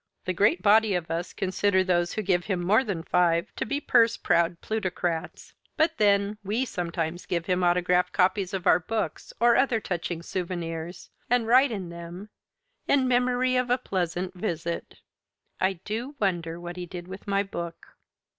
The great body of us consider those who give him more than five to be purse proud plutocrats. But then we sometimes give him autographed copies of our books or other touching souvenirs. And write in them, "In memory of a pleasant visit." I do wonder what he did with my book!